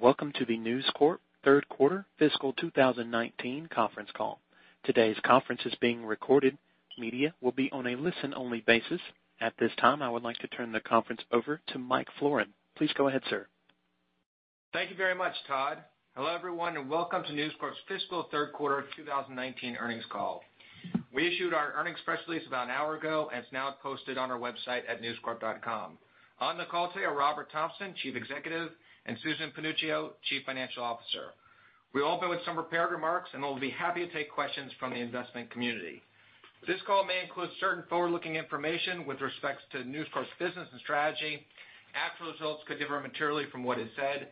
Welcome to the News Corp third quarter fiscal 2019 conference call. Today's conference is being recorded. Media will be on a listen-only basis. At this time, I would like to turn the conference over to Michael Florin. Please go ahead, sir. Thank you very much, Todd. Hello, everyone, and welcome to News Corp's fiscal third quarter 2019 earnings call. We issued our earnings press release about an hour ago, and it's now posted on our website at newscorp.com. On the call today are Robert Thomson, Chief Executive, and Susan Panuccio, Chief Financial Officer. We'll open with some prepared remarks, and we'll be happy to take questions from the investment community. This call may include certain forward-looking information with respect to News Corp's business and strategy. Actual results could differ materially from what is said.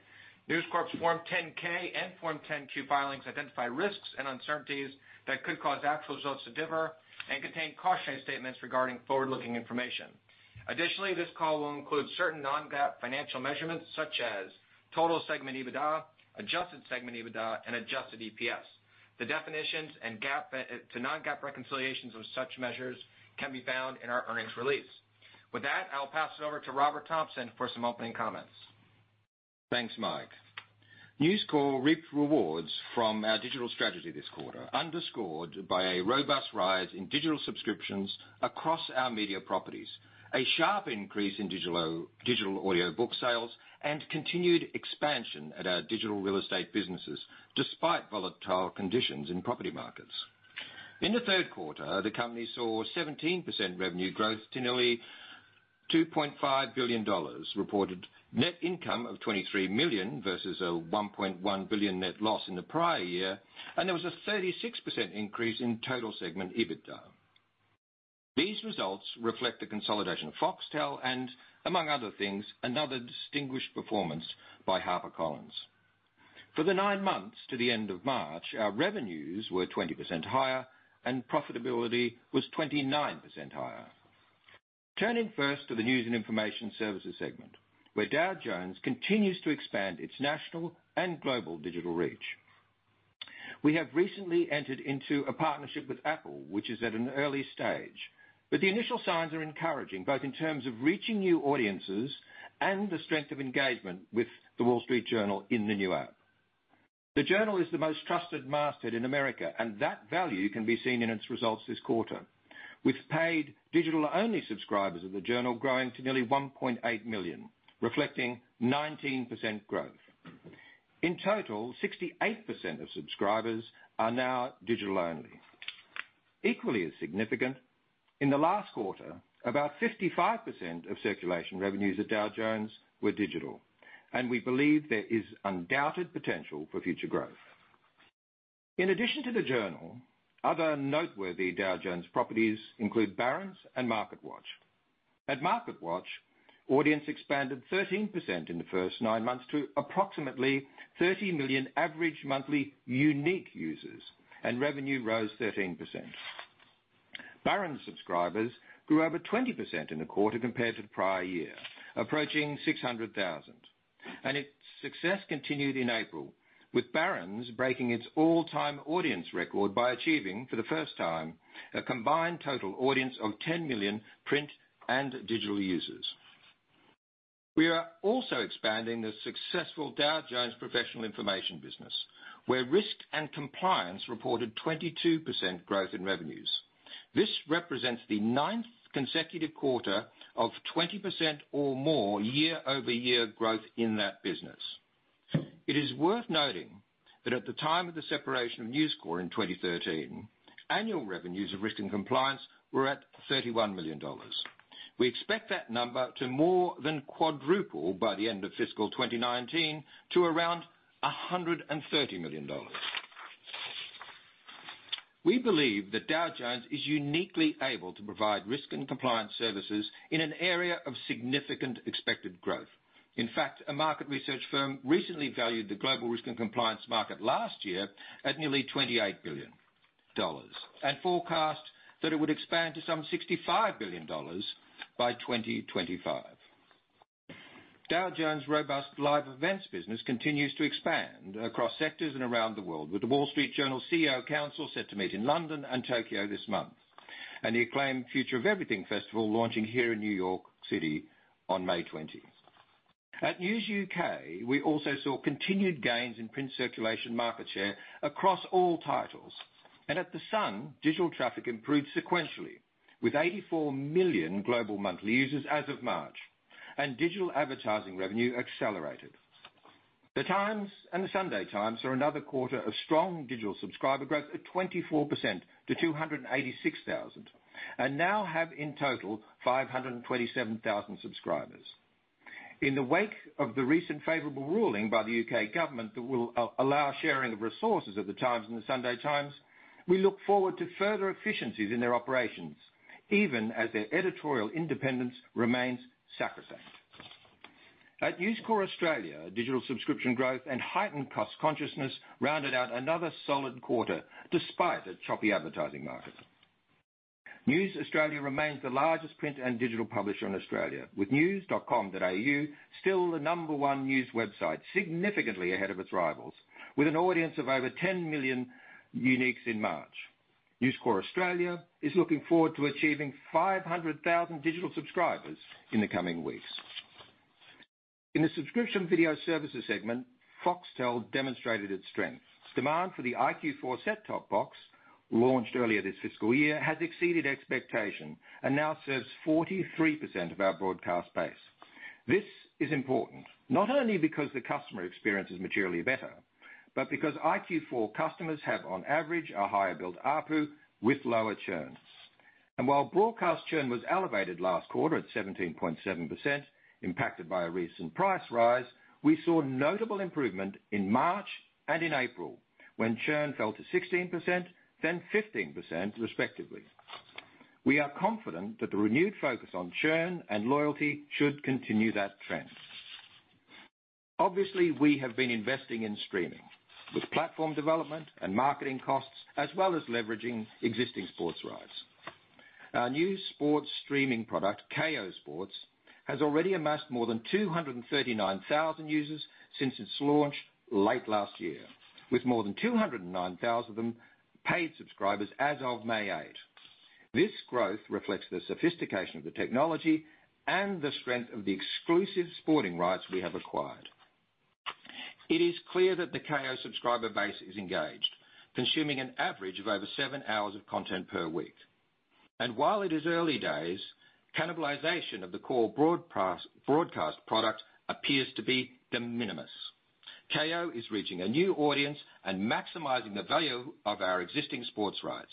News Corp's Form 10-K and Form 10-Q filings identify risks and uncertainties that could cause actual results to differ and contain cautionary statements regarding forward-looking information. Additionally, this call will include certain non-GAAP financial measurements, such as total segment EBITDA, adjusted segment EBITDA, and adjusted EPS. The definitions and GAAP to non-GAAP reconciliations of such measures can be found in our earnings release. With that, I'll pass it over to Robert Thomson for some opening comments. Thanks, Mike. News Corp reaped rewards from our digital strategy this quarter, underscored by a robust rise in digital subscriptions across our media properties, a sharp increase in digital audiobook sales, and continued expansion at our digital real estate businesses, despite volatile conditions in property markets. In the third quarter, the company saw 17% revenue growth to nearly $2.5 billion, reported net income of $23 million versus a $1.1 billion net loss in the prior year, and there was a 36% increase in total segment EBITDA. These results reflect the consolidation of Foxtel and, among other things, another distinguished performance by HarperCollins. For the nine months to the end of March, our revenues were 20% higher and profitability was 29% higher. Turning first to the News and Information Services segment, where Dow Jones continues to expand its national and global digital reach. We have recently entered into a partnership with Apple, which is at an early stage, but the initial signs are encouraging, both in terms of reaching new audiences and the strength of engagement with The Wall Street Journal in the new app. The Journal is the most trusted masthead in America, and that value can be seen in its results this quarter, with paid digital-only subscribers of The Journal growing to nearly 1.8 million, reflecting 19% growth. In total, 68% of subscribers are now digital only. Equally as significant, in the last quarter, about 55% of circulation revenues at Dow Jones were digital, and we believe there is undoubted potential for future growth. In addition to The Journal, other noteworthy Dow Jones properties include Barron's and MarketWatch. At MarketWatch, audience expanded 13% in the first nine months to approximately 30 million average monthly unique users, and revenue rose 13%. Barron's subscribers grew over 20% in the quarter compared to the prior year, approaching 600,000. Its success continued in April, with Barron's breaking its all-time audience record by achieving, for the first time, a combined total audience of 10 million print and digital users. We are also expanding the successful Dow Jones professional information business, where Risk & Compliance reported 22% growth in revenues. This represents the ninth consecutive quarter of 20% or more year-over-year growth in that business. It is worth noting that at the time of the separation of News Corp in 2013, annual revenues of Risk & Compliance were at $31 million. We expect that number to more than quadruple by the end of fiscal 2019 to around $130 million. We believe that Dow Jones is uniquely able to provide Risk & Compliance services in an area of significant expected growth. In fact, a market research firm recently valued the global Risk & Compliance market last year at nearly $28 billion, and forecast that it would expand to some $65 billion by 2025. Dow Jones' robust live events business continues to expand across sectors and around the world, with The Wall Street Journal CEO Council set to meet in London and Tokyo this month, and the acclaimed The Future of Everything Festival launching here in New York City on May 20th. At News UK, we also saw continued gains in print circulation market share across all titles. At The Sun, digital traffic improved sequentially, with 84 million global monthly users as of March, and digital advertising revenue accelerated. The Times and The Sunday Times saw another quarter of strong digital subscriber growth at 24% to 286,000, and now have in total 527,000 subscribers. In the wake of the recent favorable ruling by the U.K. government that will allow sharing of resources at The Times and The Sunday Times, we look forward to further efficiencies in their operations, even as their editorial independence remains sacrosanct. At News Corp Australia, digital subscription growth and heightened cost consciousness rounded out another solid quarter, despite a choppy advertising market. News Australia remains the largest print and digital publisher in Australia, with news.com.au still the number one news website, significantly ahead of its rivals, with an audience of over 10 million uniques in March. News Corp Australia is looking forward to achieving 500,000 digital subscribers in the coming weeks. In the subscription video services segment, Foxtel demonstrated its strength. Demand for the iQ4 set-top box, launched earlier this fiscal year, has exceeded expectation and now serves 43% of our broadcast base. While broadcast churn was elevated last quarter at 17.7%, impacted by a recent price rise, we saw notable improvement in March and in April, when churn fell to 16%, then 15%, respectively. We are confident that the renewed focus on churn and loyalty should continue that trend. Obviously, we have been investing in streaming with platform development and marketing costs, as well as leveraging existing sports rights. Our new sports streaming product, Kayo Sports, has already amassed more than 239,000 users since its launch late last year, with more than 209,000 of them paid subscribers as of May 8. This growth reflects the sophistication of the technology and the strength of the exclusive sporting rights we have acquired. It is clear that the Kayo subscriber base is engaged, consuming an average of over 7 hours of content per week. While it is early days, cannibalization of the core broadcast product appears to be de minimis. Kayo is reaching a new audience and maximizing the value of our existing sports rights.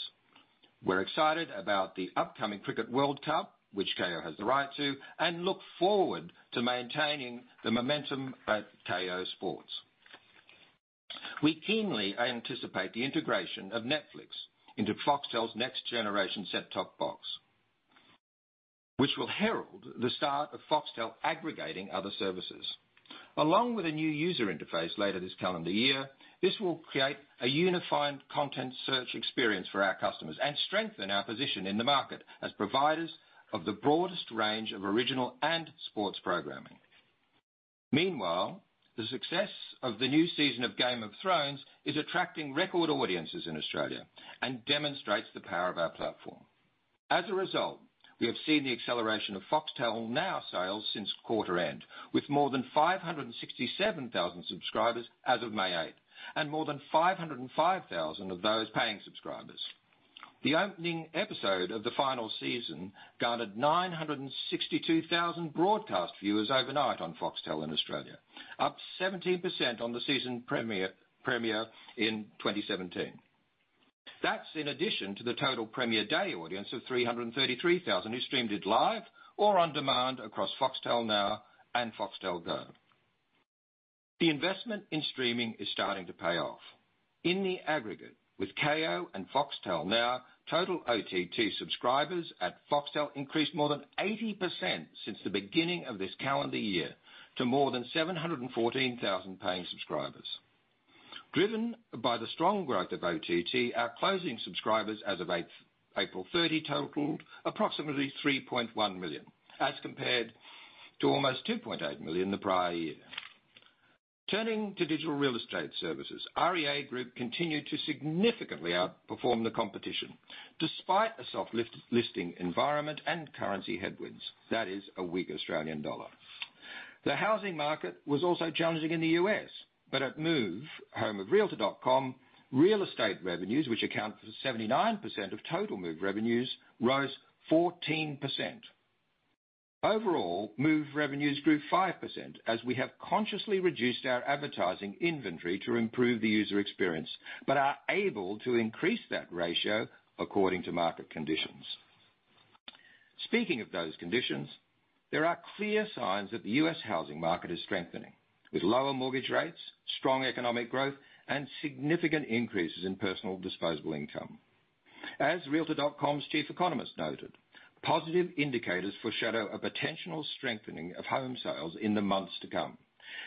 We are excited about the upcoming Cricket World Cup, which Kayo has the right to. Look forward to maintaining the momentum at Kayo Sports. We keenly anticipate the integration of Netflix into Foxtel's next-generation set-top box, which will herald the start of Foxtel aggregating other services. Along with a new user interface later this calendar year, this will create a unified content search experience for our customers and strengthen our position in the market as providers of the broadest range of original and sports programming. The success of the new season of "Game of Thrones" is attracting record audiences in Australia and demonstrates the power of our platform. As a result, we have seen the acceleration of Foxtel Now sales since quarter end, with more than 567,000 subscribers as of May 8, and more than 505,000 of those paying subscribers. The opening episode of the final season garnered 962,000 broadcast viewers overnight on Foxtel in Australia, up 17% on the season premiere in 2017. That is in addition to the total premiere day audience of 333,000 who streamed it live or on demand across Foxtel Now and Foxtel Go. The investment in streaming is starting to pay off. In the aggregate, with Kayo and Foxtel Now, total OTT subscribers at Foxtel increased more than 80% since the beginning of this calendar year to more than 714,000 paying subscribers. Driven by the strong growth of OTT, our closing subscribers as of April 30 totaled approximately 3.1 million, as compared to almost 2.8 million the prior year. Turning to digital real estate services, REA Group continued to significantly outperform the competition, despite a soft listing environment and currency headwinds. That is a weak Australian dollar. The housing market was also challenging in the U.S., but at Move, home of realtor.com, real estate revenues, which account for 79% of total Move revenues, rose 14%. Overall, Move revenues grew 5% as we have consciously reduced our advertising inventory to improve the user experience but are able to increase that ratio according to market conditions. Speaking of those conditions, there are clear signs that the U.S. housing market is strengthening with lower mortgage rates, strong economic growth, and significant increases in personal disposable income. As realtor.com's chief economist noted, positive indicators foreshadow a potential strengthening of home sales in the months to come.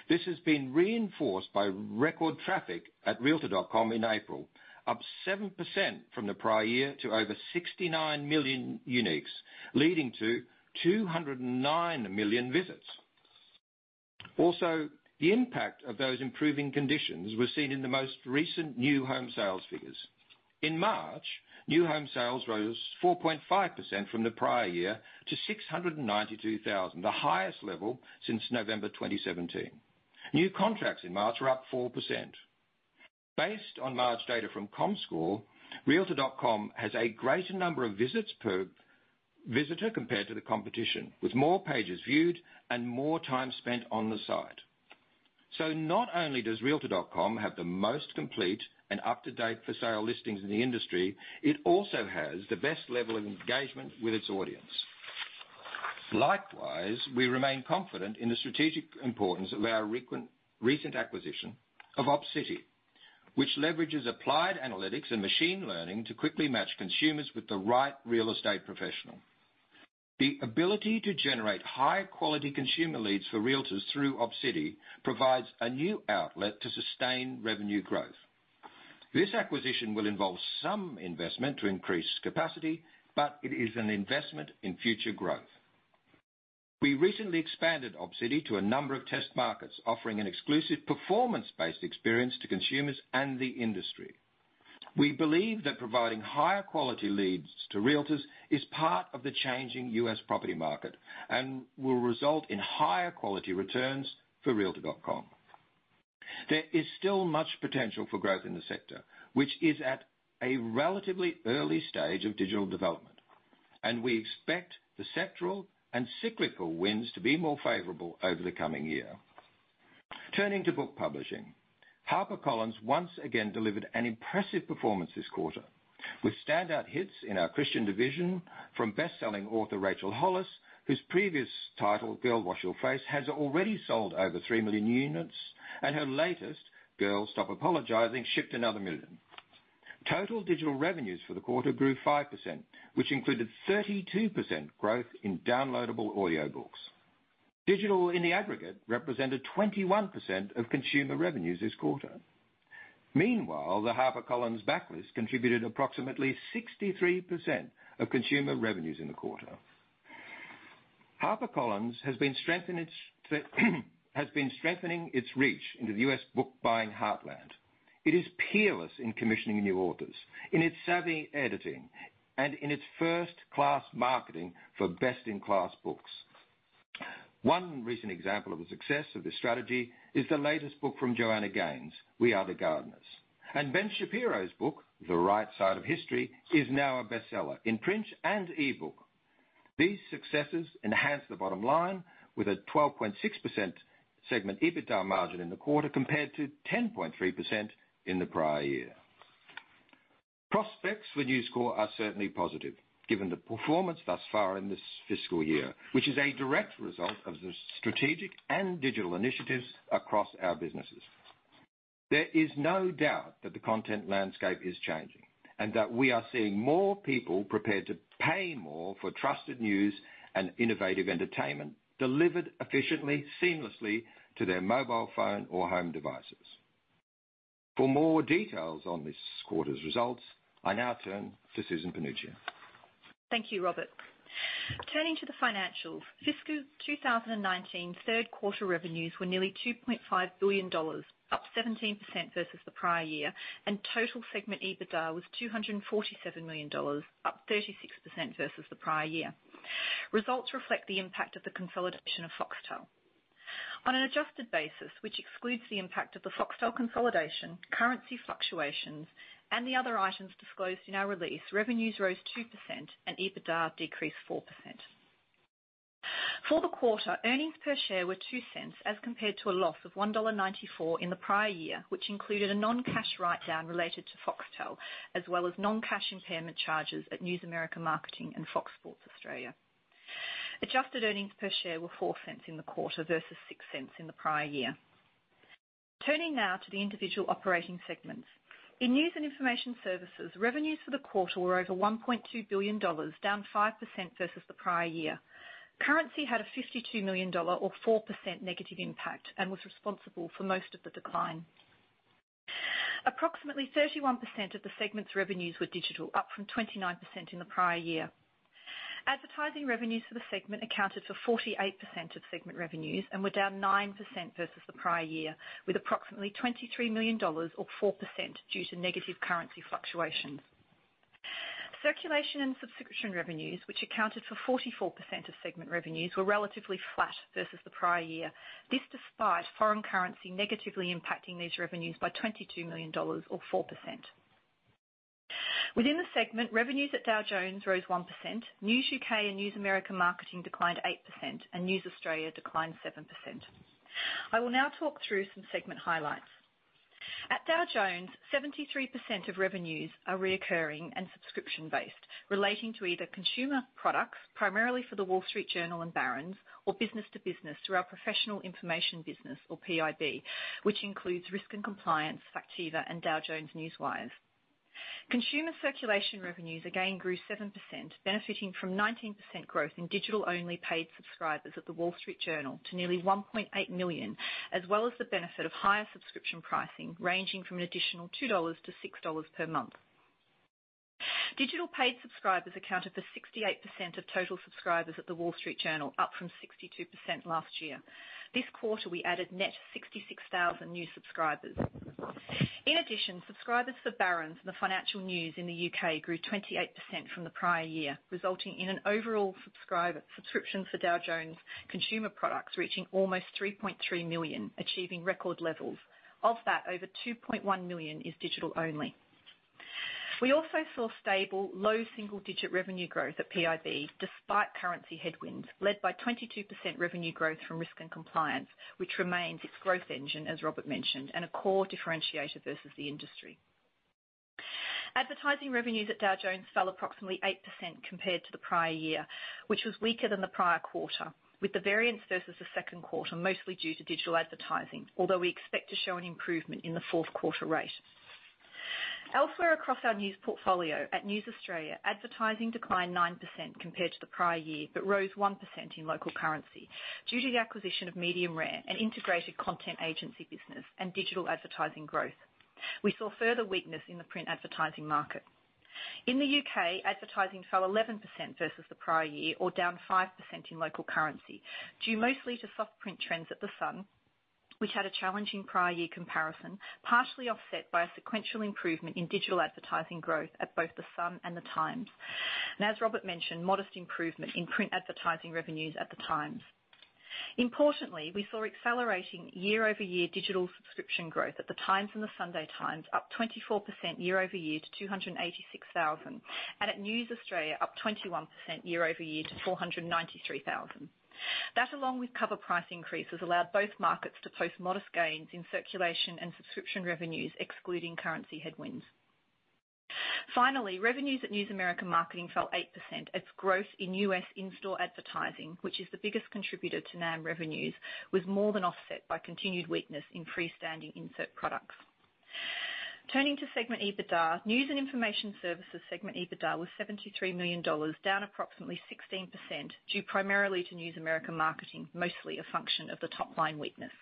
This has been reinforced by record traffic at realtor.com in April, up 7% from the prior year to over 69 million uniques, leading to 209 million visits. Also, the impact of those improving conditions was seen in the most recent new home sales figures. In March, new home sales rose 4.5% from the prior year to 692,000, the highest level since November 2017. New contracts in March were up 4%. Based on March data from Comscore, realtor.com has a greater number of visits per visitor compared to the competition, with more pages viewed and more time spent on the site. Not only does realtor.com have the most complete and up-to-date for-sale listings in the industry, it also has the best level of engagement with its audience. Likewise, we remain confident in the strategic importance of our recent acquisition of Opcity, which leverages applied analytics and machine learning to quickly match consumers with the right real estate professional. The ability to generate high-quality consumer leads for realtors through Opcity provides a new outlet to sustain revenue growth. This acquisition will involve some investment to increase capacity, but it is an investment in future growth. We recently expanded Opcity to a number of test markets, offering an exclusive performance-based experience to consumers and the industry. We believe that providing higher quality leads to realtors is part of the changing U.S. property market and will result in higher quality returns for realtor.com. There is still much potential for growth in the sector, which is at a relatively early stage of digital development, and we expect the sectoral and cyclical winds to be more favorable over the coming year. Turning to book publishing, HarperCollins once again delivered an impressive performance this quarter, with standout hits in our Christian division from best-selling author Rachel Hollis, whose previous title, "Girl, Wash Your Face," has already sold over 3 million units, and her latest, "Girl, Stop Apologizing," shipped another 1 million. Total digital revenues for the quarter grew 5%, which included 32% growth in downloadable audiobooks. Digital, in the aggregate, represented 21% of consumer revenues this quarter. Meanwhile, the HarperCollins backlist contributed approximately 63% of consumer revenues in the quarter. HarperCollins has been strengthening its reach into the U.S. book-buying heartland. It is peerless in commissioning new authors, in its savvy editing, and in its first-class marketing for best-in-class books. One recent example of the success of this strategy is the latest book from Joanna Gaines, "We Are The Gardeners." Ben Shapiro's book, "The Right Side of History," is now a bestseller in print and e-book. These successes enhance the bottom line with a 12.6% segment EBITDA margin in the quarter, compared to 10.3% in the prior year. Prospects for News Corp are certainly positive given the performance thus far in this fiscal year, which is a direct result of the strategic and digital initiatives across our businesses. There is no doubt that the content landscape is changing, and that we are seeing more people prepared to pay more for trusted news and innovative entertainment delivered efficiently, seamlessly to their mobile phone or home devices. More details on this quarter's results, I now turn to Susan Panuccio. Thank you, Robert. Turning to the financials. Fiscal 2019's third quarter revenues were nearly $2.5 billion, up 17% versus the prior year, and total segment EBITDA was $247 million, up 36% versus the prior year. Results reflect the impact of the consolidation of Foxtel. On an adjusted basis, which excludes the impact of the Foxtel consolidation, currency fluctuations, and the other items disclosed in our release, revenues rose 2% and EBITDA decreased 4%. For the quarter, earnings per share were $0.02 as compared to a loss of $1.94 in the prior year, which included a non-cash write-down related to Foxtel, as well as non-cash impairment charges at News America Marketing and Fox Sports Australia. Adjusted earnings per share were $0.04 in the quarter versus $0.06 in the prior year. Turning now to the individual operating segments. In news and information services, revenues for the quarter were over $1.2 billion, down 5% versus the prior year. Currency had a $52 million or 4% negative impact and was responsible for most of the decline. Approximately 31% of the segment's revenues were digital, up from 29% in the prior year. Advertising revenues for the segment accounted for 48% of segment revenues and were down 9% versus the prior year, with approximately $23 million or 4% due to negative currency fluctuations. Circulation and subscription revenues, which accounted for 44% of segment revenues, were relatively flat versus the prior year. This despite foreign currency negatively impacting these revenues by $22 million or 4%. Within the segment, revenues at Dow Jones rose 1%, News UK and News America Marketing declined 8%, and News Australia declined 7%. I will now talk through some segment highlights. At Dow Jones, 73% of revenues are reoccurring and subscription-based, relating to either consumer products, primarily for The Wall Street Journal and Barron's, or business to business through our professional information business or PIB, which includes Risk and Compliance, Factiva, and Dow Jones Newswires. Consumer circulation revenues again grew 7%, benefiting from 19% growth in digital-only paid subscribers of The Wall Street Journal to nearly 1.8 million, as well as the benefit of higher subscription pricing, ranging from an additional $2 to $6 per month. Digital paid subscribers accounted for 68% of total subscribers at The Wall Street Journal, up from 62% last year. This quarter, we added net 66,000 new subscribers. In addition, subscribers for Barron's and the Financial News in the U.K. grew 28% from the prior year, resulting in an overall subscription for Dow Jones consumer products reaching almost 3.3 million, achieving record levels. Of that, over 2.1 million is digital only. We also saw stable low single-digit revenue growth at PIB, despite currency headwinds led by 22% revenue growth from Risk and Compliance, which remains its growth engine, as Robert mentioned, and a core differentiator versus the industry. Advertising revenues at Dow Jones fell approximately 8% compared to the prior year, which was weaker than the prior quarter, with the variance versus the second quarter, mostly due to digital advertising, although we expect to show an improvement in the fourth quarter rate. Elsewhere across our news portfolio at News Australia, advertising declined 9% compared to the prior year, but rose 1% in local currency due to the acquisition of Medium Rare, an integrated content agency business and digital advertising growth. We saw further weakness in the print advertising market. In the U.K., advertising fell 11% versus the prior year or down 5% in local currency, due mostly to soft print trends at The Sun, which had a challenging prior year comparison, partially offset by a sequential improvement in digital advertising growth at both The Sun and The Times. As Robert mentioned, modest improvement in print advertising revenues at The Times. Importantly, we saw accelerating year-over-year digital subscription growth at The Times and The Sunday Times, up 24% year-over-year to 286,000, and at News Corp Australia, up 21% year-over-year to 493,000. That, along with cover price increases, allowed both markets to post modest gains in circulation and subscription revenues, excluding currency headwinds. Revenues at News America Marketing fell 8% as growth in U.S. in-store advertising, which is the biggest contributor to NAM revenues, was more than offset by continued weakness in freestanding insert products. Turning to segment EBITDA, News and Information Services segment EBITDA was $73 million, down approximately 16%, due primarily to News America Marketing, mostly a function of the top-line weakness.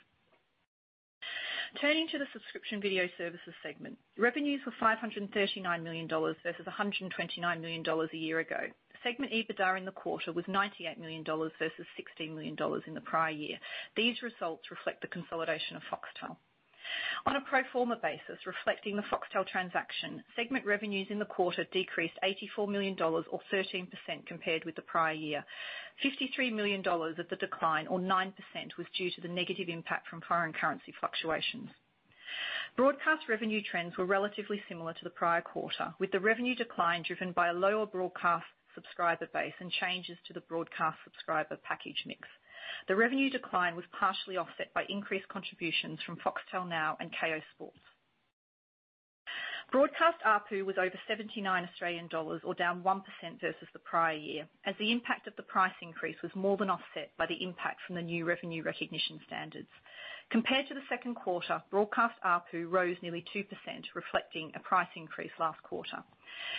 Turning to the Subscription Video Services segment. Revenues were $539 million versus $129 million a year ago. Segment EBITDA in the quarter was $98 million versus $16 million in the prior year. These results reflect the consolidation of Foxtel. On a pro forma basis, reflecting the Foxtel transaction, segment revenues in the quarter decreased $84 million or 13% compared with the prior year. $53 million of the decline or 9% was due to the negative impact from foreign currency fluctuations. Broadcast revenue trends were relatively similar to the prior quarter, with the revenue decline driven by a lower broadcast subscriber base and changes to the broadcast subscriber package mix. The revenue decline was partially offset by increased contributions from Foxtel Now and Kayo Sports. Broadcast ARPU was over 79 Australian dollars, or down 1% versus the prior year, as the impact of the price increase was more than offset by the impact from the new revenue recognition standards. Compared to the second quarter, broadcast ARPU rose nearly 2%, reflecting a price increase last quarter.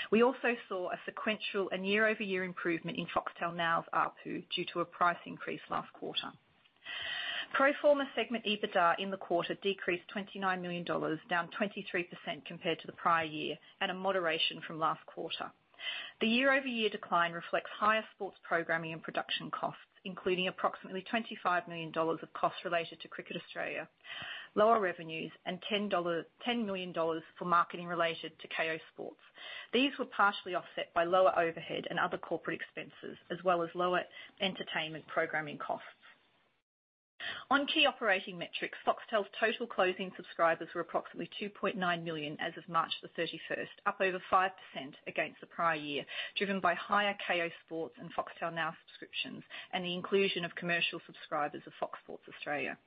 We also saw a sequential and year-over-year improvement in Foxtel Now's ARPU due to a price increase last quarter. Pro forma segment EBITDA in the quarter decreased $29 million, down 23% compared to the prior year, and a moderation from last quarter. The year-over-year decline reflects higher sports programming and production costs, including approximately $25 million of costs related to Cricket Australia, lower revenues, and $10 million for marketing related to Kayo Sports. These were partially offset by lower overhead and other corporate expenses, as well as lower entertainment programming costs. On key operating metrics, Foxtel's total closing subscribers were approximately 2.9 million as of March 31st, up over 5% against the prior year, driven by higher Kayo Sports and Foxtel Now subscriptions and the inclusion of commercial subscribers of Fox Sports Australia.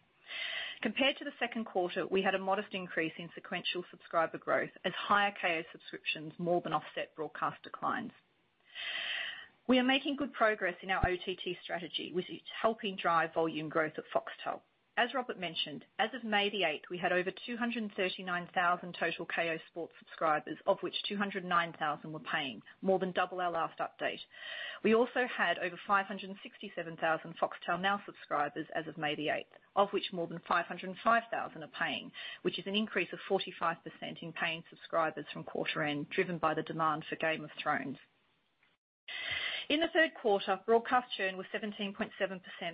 Compared to the second quarter, we had a modest increase in sequential subscriber growth as higher Kayo subscriptions more than offset broadcast declines. We are making good progress in our OTT strategy, which is helping drive volume growth at Foxtel. As Robert mentioned, as of May 8th, we had over 239,000 total Kayo Sports subscribers, of which 209,000 were paying, more than double our last update. We also had over 567,000 Foxtel Now subscribers as of May 8th, of which more than 505,000 are paying, which is an increase of 45% in paying subscribers from quarter end, driven by the demand for "Game of Thrones." In the third quarter, broadcast churn was 17.7%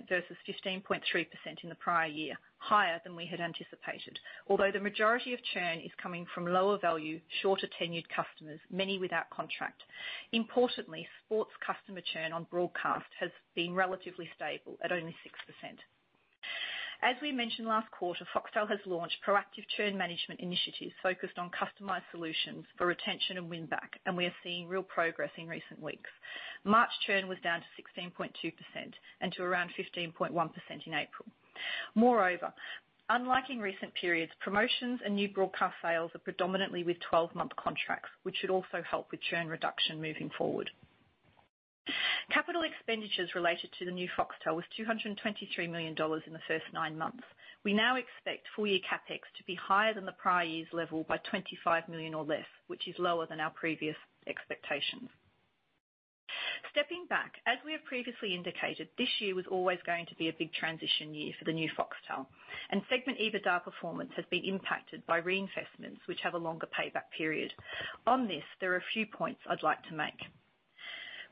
versus 15.3% in the prior year, higher than we had anticipated, although the majority of churn is coming from lower-value, shorter-tenured customers, many without contract. Importantly, sports customer churn on broadcast has been relatively stable at only 6%. As we mentioned last quarter, Foxtel has launched proactive churn management initiatives focused on customized solutions for retention and win-back, and we are seeing real progress in recent weeks. Unlike in recent periods, promotions and new broadcast sales are predominantly with 12-month contracts, which should also help with churn reduction moving forward. Capital expenditures related to the new Foxtel was $223 million in the first nine months. We now expect full-year CapEx to be higher than the prior year's level by $25 million or less, which is lower than our previous expectations. Stepping back, as we have previously indicated, this year was always going to be a big transition year for the new Foxtel, and segment EBITDA performance has been impacted by reinvestments, which have a longer payback period. On this, there are a few points I'd like to make.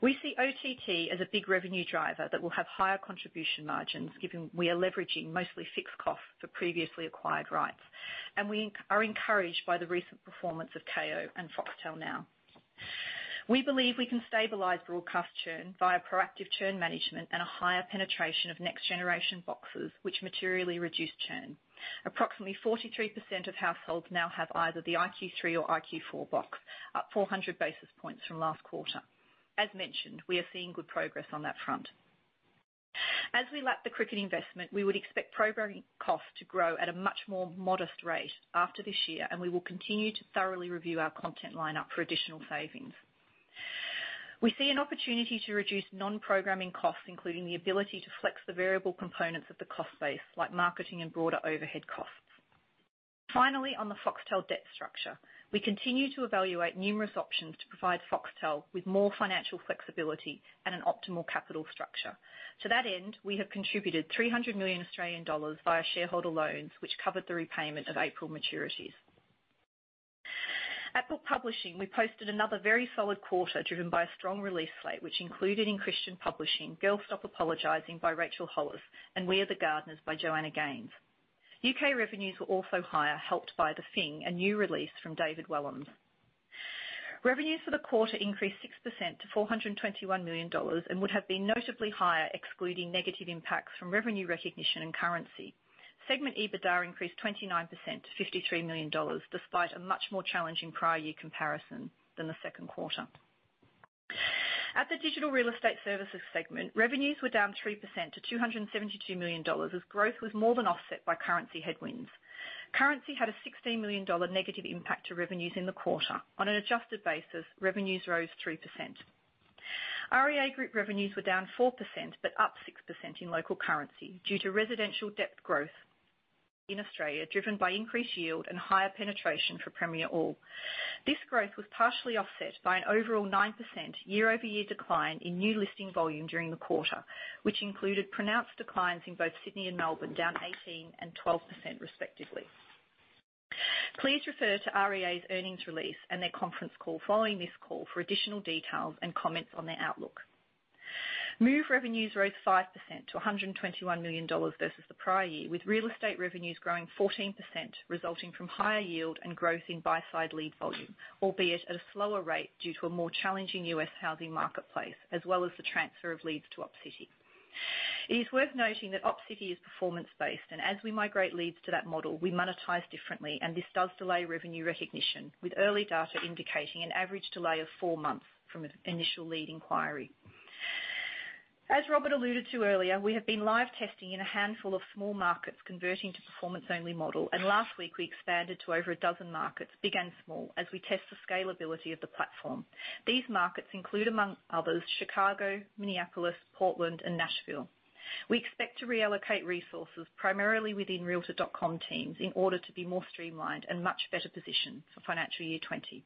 We see OTT as a big revenue driver that will have higher contribution margins, given we are leveraging mostly fixed costs for previously acquired rights. We are encouraged by the recent performance of Kayo and Foxtel Now. We believe we can stabilize broadcast churn via proactive churn management and a higher penetration of next-generation boxes, which materially reduce churn. Approximately 43% of households now have either the iQ3 or iQ4 box, up 400 basis points from last quarter. As mentioned, we are seeing good progress on that front. As we lap the cricket investment, we would expect programming costs to grow at a much more modest rate after this year, and we will continue to thoroughly review our content lineup for additional savings. We see an opportunity to reduce non-programming costs, including the ability to flex the variable components of the cost base, like marketing and broader overhead costs. On the Foxtel debt structure, we continue to evaluate numerous options to provide Foxtel with more financial flexibility and an optimal capital structure. To that end, we have contributed 300 million Australian dollars via shareholder loans, which covered the repayment of April maturities. At Book Publishing, we posted another very solid quarter driven by a strong release slate, which included in Christian publishing, "Girl, Stop Apologizing" by Rachel Hollis, and "We Are The Gardeners" by Joanna Gaines. U.K. revenues were also higher, helped by "Fing," a new release from David Walliams. Revenues for the quarter increased 6% to $421 million and would have been notably higher, excluding negative impacts from revenue recognition and currency. Segment EBITDA increased 29% to $53 million, despite a much more challenging prior year comparison than the second quarter. At the Digital Real Estate Services segment, revenues were down 3% to $272 million, as growth was more than offset by currency headwinds. Currency had a $16 million negative impact to revenues in the quarter. On an adjusted basis, revenues rose 3%. REA Group revenues were down 4%, but up 6% in local currency due to residential debt growth in Australia, driven by increased yield and higher penetration for Premiere All. This growth was partially offset by an overall 9% year-over-year decline in new listing volume during the quarter, which included pronounced declines in both Sydney and Melbourne, down 18% and 12% respectively. Please refer to REA's earnings release and their conference call following this call for additional details and comments on their outlook. Move revenues rose 5% to $121 million versus the prior year, with real estate revenues growing 14%, resulting from higher yield and growth in buy-side lead volume, albeit at a slower rate due to a more challenging U.S. housing marketplace, as well as the transfer of leads to Opcity. It is worth noting that Opcity is performance-based. As we migrate leads to that model, we monetize differently. This does delay revenue recognition, with early data indicating an average delay of four months from an initial lead inquiry. As Robert alluded to earlier, we have been live testing in a handful of small markets converting to performance-only model. Last week we expanded to over a dozen markets, big and small, as we test the scalability of the platform. These markets include, among others, Chicago, Minneapolis, Portland, and Nashville. We expect to reallocate resources primarily within realtor.com teams in order to be more streamlined and much better positioned for financial year 2020.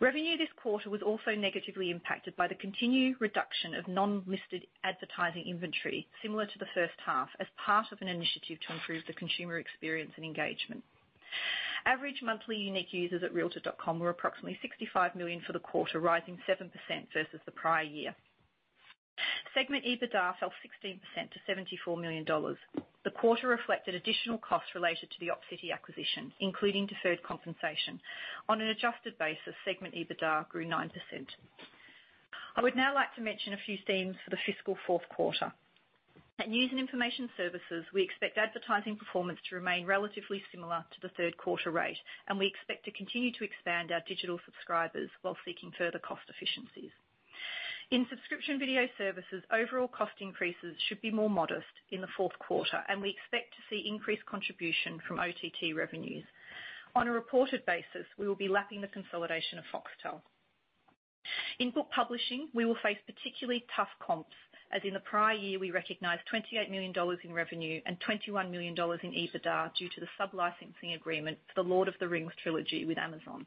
Revenue this quarter was also negatively impacted by the continued reduction of non-listed advertising inventory, similar to the first half, as part of an initiative to improve the consumer experience and engagement. Average monthly unique users at realtor.com were approximately 65 million for the quarter, rising 7% versus the prior year. Segment EBITDA fell 16% to $74 million. The quarter reflected additional costs related to the Opcity acquisition, including deferred compensation. On an adjusted basis, segment EBITDA grew 9%. I would now like to mention a few themes for the fiscal fourth quarter. At News and Information Services, we expect advertising performance to remain relatively similar to the third quarter rate. We expect to continue to expand our digital subscribers while seeking further cost efficiencies. In Subscription Video Services, overall cost increases should be more modest in the fourth quarter. We expect to see increased contribution from OTT revenues. On a reported basis, we will be lapping the consolidation of Foxtel. In Book Publishing, we will face particularly tough comps, as in the prior year, we recognized $28 million in revenue and $21 million in EBITDA due to the sub-licensing agreement for "The Lord of the Rings" trilogy with Amazon.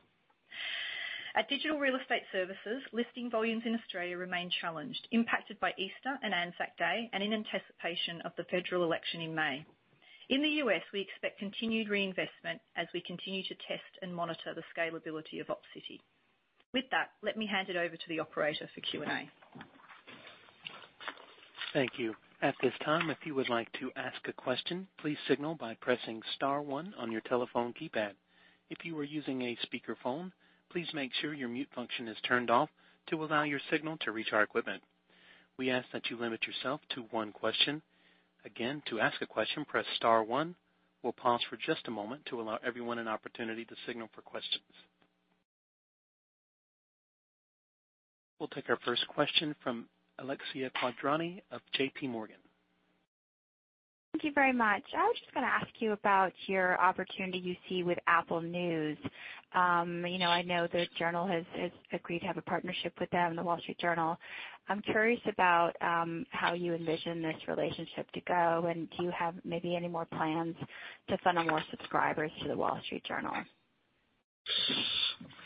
At Digital Real Estate Services, listing volumes in Australia remain challenged, impacted by Easter and Anzac Day. In anticipation of the federal election in May. In the U.S., we expect continued reinvestment as we continue to test and monitor the scalability of Opcity. With that, let me hand it over to the operator for Q&A. Thank you. At this time, if you would like to ask a question, please signal by pressing *1 on your telephone keypad. If you are using a speakerphone, please make sure your mute function is turned off to allow your signal to reach our equipment. We ask that you limit yourself to one question. Again, to ask a question, press *1. We will pause for just a moment to allow everyone an opportunity to signal for questions. We will take our first question from Alexia Quadrani of J.P. Morgan. Thank you very much. I was just going to ask you about your opportunity you see with Apple News. I know The Journal has agreed to have a partnership with them, The Wall Street Journal. I am curious about how you envision this relationship to go. Do you have maybe any more plans to funnel more subscribers to The Wall Street Journal?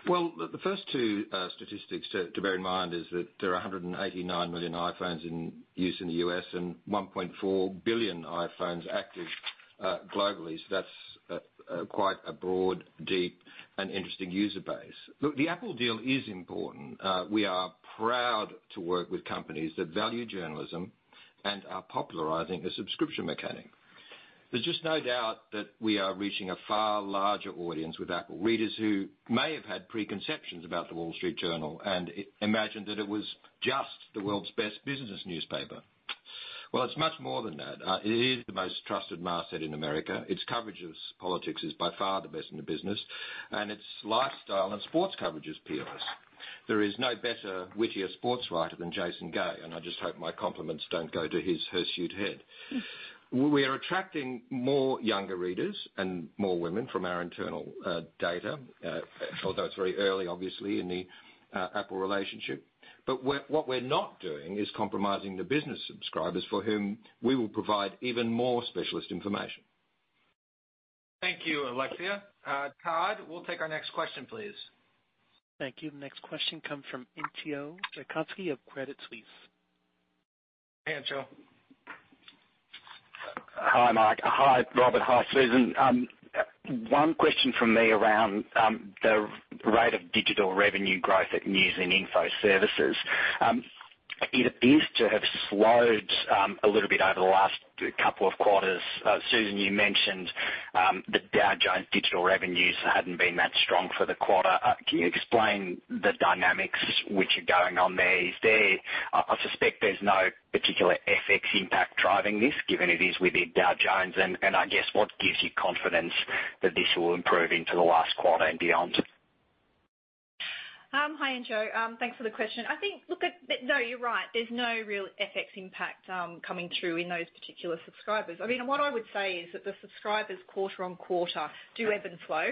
Well, the first two statistics to bear in mind is that there are 189 million iPhones in use in the U.S. and 1.4 billion iPhones active globally. That is quite a broad, deep, and interesting user base. Look, the Apple deal is important. We are proud to work with companies that value journalism and are popularizing a subscription mechanic. There is just no doubt that we are reaching a far larger audience with Apple readers who may have had preconceptions about The Wall Street Journal and imagined that it was just the world's best business newspaper. Well, it is much more than that. It is the most trusted masthead in America. Its coverage of politics is by far the best in the business. Its lifestyle and sports coverage is peerless. There is no better wittier sports writer than Jason Gay. I just hope my compliments don't go to his hirsute head. We are attracting more younger readers and more women from our internal data, although it is very early, obviously, in the Apple relationship. What we are not doing is compromising the business subscribers for whom we will provide even more specialist information. Thank you, Alexia. Todd, we'll take our next question, please. Thank you. The next question comes from Entcho Raykovski of Credit Suisse. Hey, Entcho. Hi, Mike. Hi, Robert. Hi, Susan. One question from me around the rate of digital revenue growth at News and Info Services. It appears to have slowed a little bit over the last couple of quarters. Susan, you mentioned that Dow Jones digital revenues hadn't been that strong for the quarter. Can you explain the dynamics which are going on there? I suspect there's no particular FX impact driving this, given it is within Dow Jones, and I guess, what gives you confidence that this will improve into the last quarter and beyond? Hi, Enzo. You're right. There's no real FX impact coming through in those particular subscribers. The subscribers quarter-on-quarter do ebb and flow.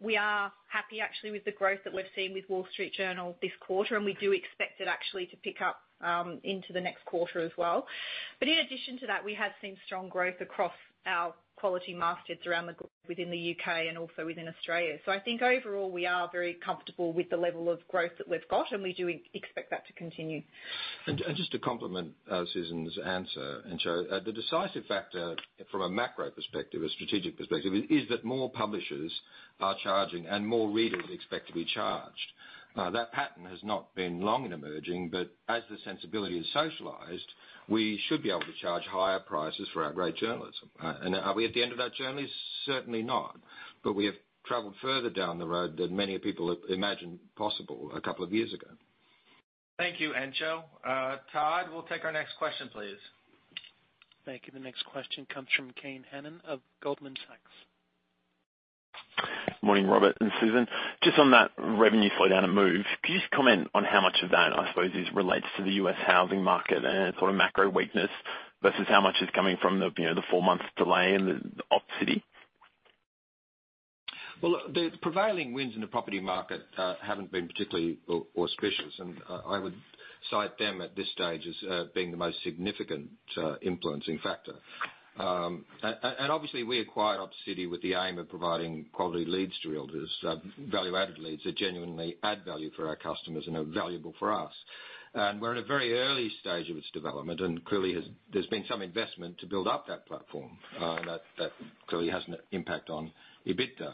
We are happy, actually, with the growth that we've seen with The Wall Street Journal this quarter, and we do expect it actually to pick up into the next quarter as well. In addition to that, we have seen strong growth across our quality mastheads within the U.K. and also within Australia. Overall, we are very comfortable with the level of growth that we've got, and we do expect that to continue. Just to complement Susan's answer, Enzo, the decisive factor from a macro perspective, a strategic perspective, is that more publishers are charging and more readers expect to be charged. That pattern has not been long in emerging, but as the sensibility is socialized, we should be able to charge higher prices for our great journalism. Are we at the end of that journey? Certainly not. We have traveled further down the road than many people imagined possible a couple of years ago. Thank you, Enzo. Todd, we'll take our next question, please. Thank you. The next question comes from Kane Hannan of Goldman Sachs. Morning, Robert and Susan. Just on that revenue slowdown at Move, could you just comment on how much of that, I suppose, is related to the U.S. housing market and macro weakness versus how much is coming from the 4 months delay in the Opcity? Well, look, the prevailing winds in the property market haven't been particularly auspicious, I would cite them at this stage as being the most significant influencing factor. Obviously, we acquired Opcity with the aim of providing quality leads to realtors, value-added leads that genuinely add value for our customers and are valuable for us. We're at a very early stage of its development, and clearly, there's been some investment to build up that platform, that clearly has an impact on EBITDA.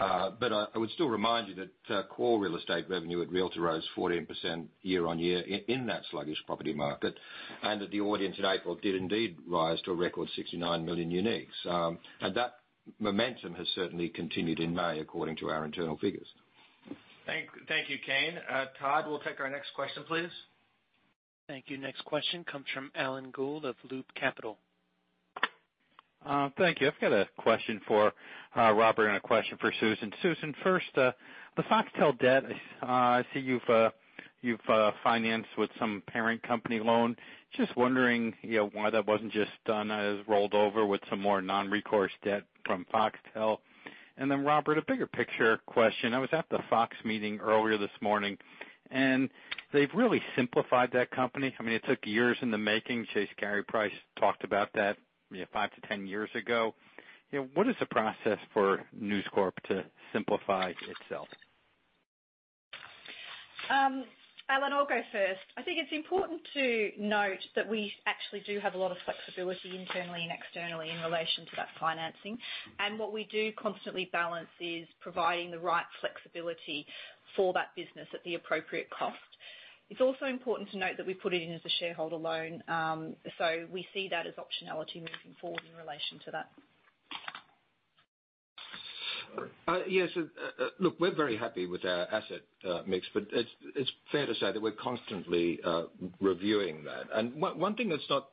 I would still remind you that core real estate revenue at realtor.com rose 14% year-over-year in that sluggish property market, and that the audience in April did indeed rise to a record 69 million uniques. That momentum has certainly continued in May, according to our internal figures. Thank you, Kane. Todd, we'll take our next question, please. Thank you. Next question comes from Alan Gould of Loop Capital. Thank you. I've got a question for Robert and a question for Susan. Susan, first, the Foxtel debt, I see you've financed with some parent company loan. Just wondering why that wasn't just done as rolled over with some more non-recourse debt from Foxtel. Robert, a bigger picture question. I was at the Fox meeting earlier this morning, and they've really simplified that company. It took years in the making. Chase Carey Price talked about that five to 10 years ago. What is the process for News Corp to simplify itself? Alan, I'll go first. I think it's important to note that we actually do have a lot of flexibility internally and externally in relation to that financing. What we do constantly balance is providing the right flexibility for that business at the appropriate cost. It's also important to note that we put it in as a shareholder loan, so we see that as optionality moving forward in relation to that. Yes. Look, we're very happy with our asset mix, but it's fair to say that we're constantly reviewing that. One thing that's not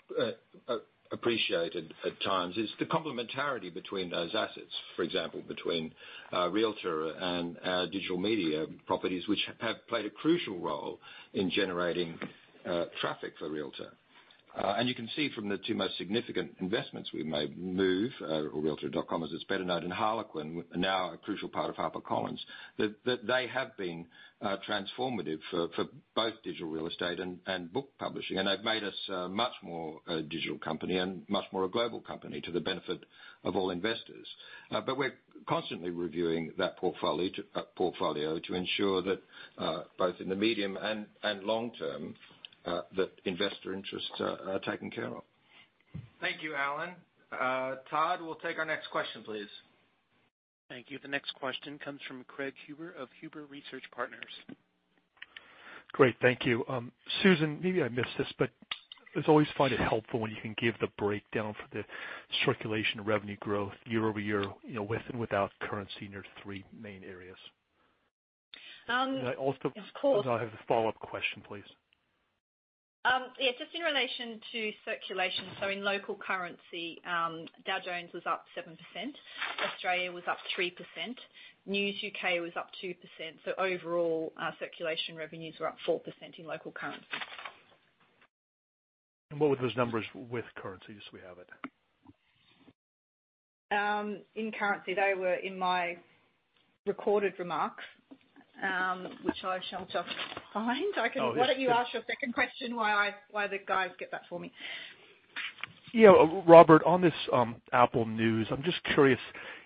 appreciated at times is the complementarity between those assets. For example, between realtor and our digital media properties, which have played a crucial role in generating traffic for realtor. You can see from the two most significant investments we made, Move or realtor.com as it's better known, and Harlequin, now a crucial part of HarperCollins, that they have been transformative for both digital real estate and book publishing, and they've made us much more a digital company and much more a global company to the benefit of all investors. We're constantly reviewing that portfolio to ensure that both in the medium and long term, that investor interests are taken care of. Thank you, Alan. Todd, we'll take our next question, please. Thank you. The next question comes from Craig Huber of Huber Research Partners. Great. Thank you. Susan, maybe I missed this, but I always find it helpful when you can give the breakdown for the circulation revenue growth year-over-year, with and without currency in your three main areas. Of course. Also, I have a follow-up question, please. Yeah. Just in relation to circulation, in local currency, Dow Jones was up 7%, Australia was up 3%, News UK was up 2%, overall, our circulation revenues were up 4% in local currency. What were those numbers with currency, just so we have it? In currency, they were in my recorded remarks, which I shall just find. Why don't you ask your second question while the guys get that for me? Yeah. Robert, on this Apple News, I'm just curious.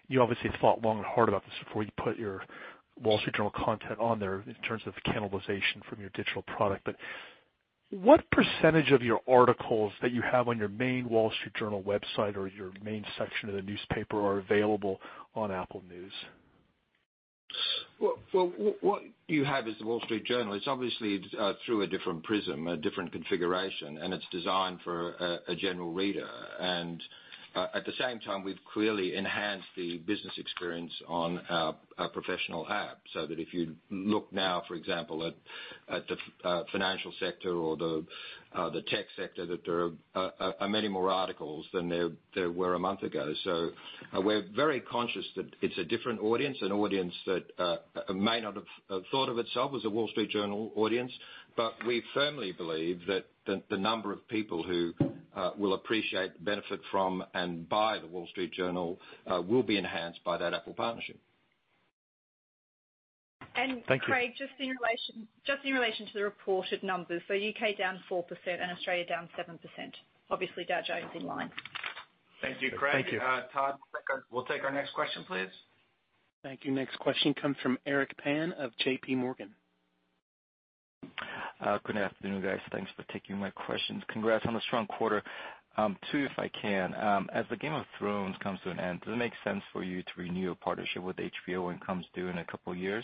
You obviously thought long and hard about this before you put your Wall Street Journal content on there in terms of cannibalization from your digital product. What percentage of your articles that you have on your main Wall Street Journal website or your main section of the newspaper are available on Apple News? Well, what you have is The Wall Street Journal. It is obviously through a different prism, a different configuration, and it is designed for a general reader. At the same time, we have clearly enhanced the business experience on our professional app, so that if you look now, for example, at the financial sector or the tech sector, there are many more articles than there were a month ago. We are very conscious that it is a different audience, an audience that may not have thought of itself as a Wall Street Journal audience. We firmly believe that the number of people who will appreciate the benefit from and buy The Wall Street Journal will be enhanced by that Apple partnership. Thank you. Craig, just in relation to the reported numbers. U.K. down 4% and Australia down 7%. Obviously, Dow Jones in line. Thank you. Thank you. Craig, Todd, we'll take our next question, please. Thank you. Next question comes from Eric Pan of JPMorgan. Good afternoon, guys. Thanks for taking my questions. Congrats on a strong quarter. Two, if I can. As the "Game of Thrones" comes to an end, does it make sense for you to renew a partnership with HBO when it comes due in a couple of years?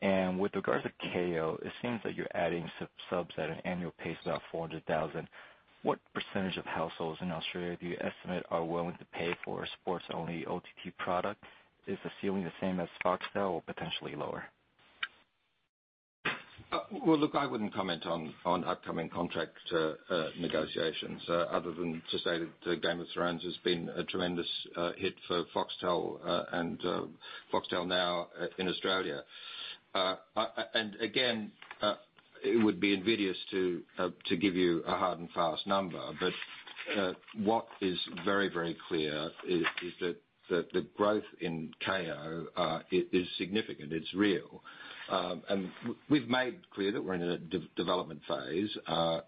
With regards to Kayo, it seems that you're adding subs at an annual pace of about 400,000. What % of households in Australia do you estimate are willing to pay for a sports-only OTT product? Is the ceiling the same as Foxtel or potentially lower? Well, look, I wouldn't comment on upcoming contract negotiations, other than to say that Game of Thrones has been a tremendous hit for Foxtel and Foxtel Now in Australia. Again, it would be invidious to give you a hard and fast number. What is very clear is that the growth in Kayo is significant. It's real. We've made clear that we're in a development phase,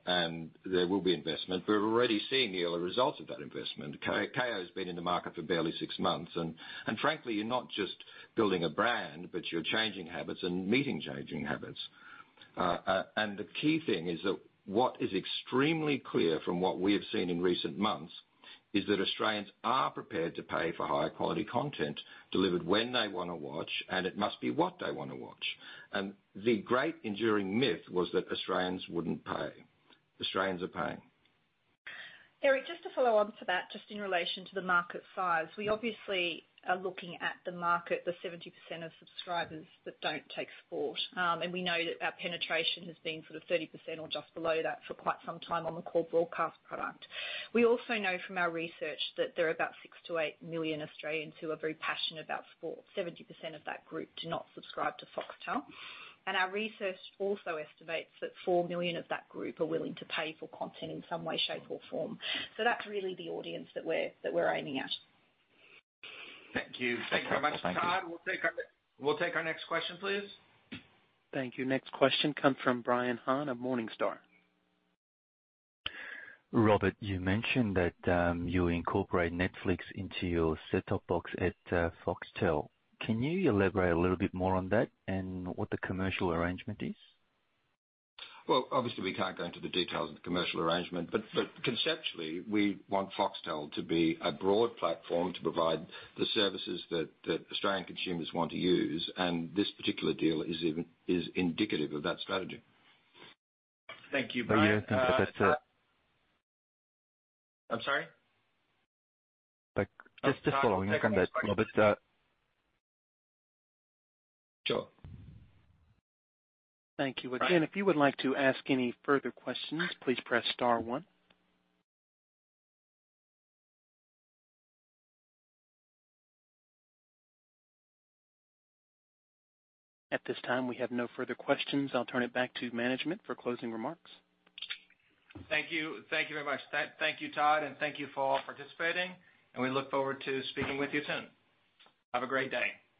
and there will be investment. We're already seeing the early results of that investment. Kayo's been in the market for barely six months, frankly, you're not just building a brand, you're changing habits and meeting changing habits. The key thing is that what is extremely clear from what we have seen in recent months, is that Australians are prepared to pay for higher quality content delivered when they want to watch, it must be what they want to watch. The great enduring myth was that Australians wouldn't pay. Australians are paying. Eric, just to follow on to that, just in relation to the market size. We obviously are looking at the market, the 70% of subscribers that don't take sport. We know that our penetration has been 30% or just below that for quite some time on the core broadcast product. We also know from our research that there are about 6 million to 8 million Australians who are very passionate about sport. 70% of that group do not subscribe to Foxtel. Our research also estimates that 4 million of that group are willing to pay for content in some way, shape, or form. That's really the audience that we're aiming at. Thank you. Thank you very much. Todd, we'll take our next question, please. Thank you. Next question comes from Brian Han of Morningstar. Robert, you mentioned that you incorporate Netflix into your set-top box at Foxtel. Can you elaborate a little bit more on that and what the commercial arrangement is? Well, obviously, we can't go into the details of the commercial arrangement. Conceptually, we want Foxtel to be a broad platform to provide the services that Australian consumers want to use. This particular deal is indicative of that strategy. Thank you, Brian. Are you going to? I'm sorry? Just to follow on from that, Robert. Sure. Thank you. Again, if you would like to ask any further questions, please press *1. At this time, we have no further questions. I'll turn it back to management for closing remarks. Thank you. Thank you very much. Thank you, Todd, and thank you for participating, and we look forward to speaking with you soon. Have a great day.